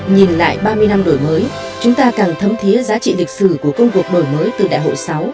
nhìn lại ba mươi năm đổi mới chúng ta càng thấm thiế giá trị lịch sử của công cuộc đổi mới từ đại hội sáu